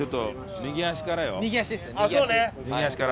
右足から。